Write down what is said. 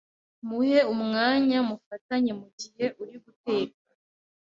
muhe umwanya mufatanye mu gihe uri guteka